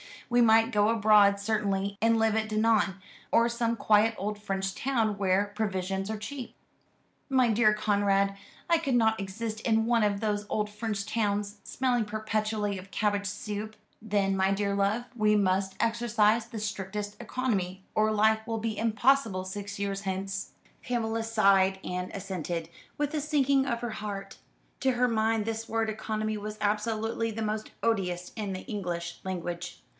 We might go abroad certainly, and live at Dinan, or some quiet old French town where provisions are cheap." "My dear Conrad, I could not exist in one of those old French towns, smelling perpetually of cabbage soup." "Then, my dear love, we must exercise the strictest economy, or life will be impossible six years hence." Pamela sighed and assented, with a sinking of her heart. To her mind this word economy was absolutely the most odious in the English language.